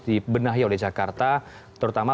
dibenahi oleh jakarta terutama